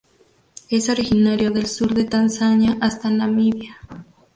Es originario del sur de Tanzania hasta Namibia.